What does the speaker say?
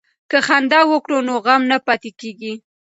که خندا وکړو نو غم نه پاتې کیږي.